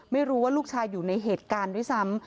ไม่รู้ว่าลูกชายอยู่ในเหตุการณ์ด้วยซ้ำ